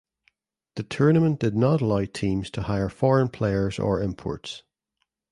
The tournament did not allow teams to hire foreign players or imports.